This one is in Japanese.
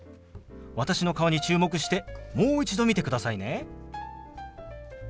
私の顔に注目してもう一度見てくださいね。